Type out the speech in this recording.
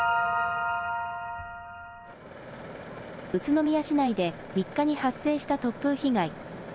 宇都宮市内で３日に発生した突風被害。